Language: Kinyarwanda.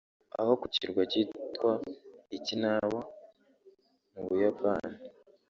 Aho ku kirwa cyitwa “Ikinawa”mu Buyapani